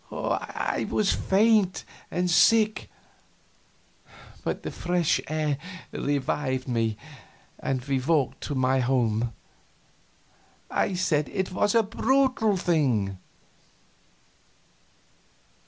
I was faint and sick, but the fresh air revived me, and we walked toward my home. I said it was a brutal thing.